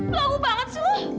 pelagu banget sih lo